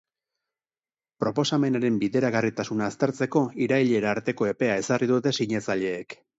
Proposamenaren bideragarritasuna aztertzeko irailera arteko epea ezarri dute sinatzaileek.